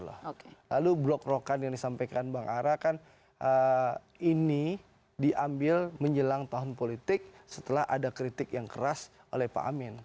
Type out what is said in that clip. dan blok blokan yang disampaikan bang ara kan ini diambil menjelang tahun politik setelah ada kritik yang keras oleh pak amin